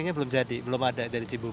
lrt nya belum jadi belum ada dari cibuka